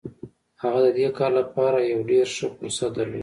هغه د دې کار لپاره يو ډېر ښه فرصت درلود.